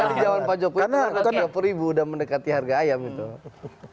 tahun dua ribu pak jokowi itu harga telur itu dua puluh ribu udah mendekati harga ayam gitu